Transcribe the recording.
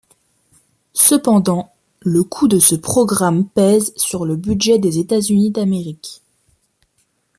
Cependant, le coût de ce programme pèse sur le budget des États américains.